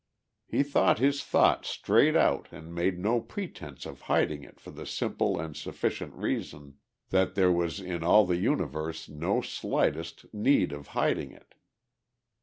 He thought his thought straight out and made no pretence of hiding it for the simple and sufficient reason that there was in all the universe no slightest need of hiding it.